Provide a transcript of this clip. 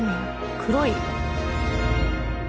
黒い。